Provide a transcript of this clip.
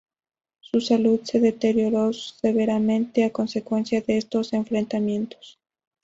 Su salud se deterioró severamente a consecuencia de estos enfrentamientos.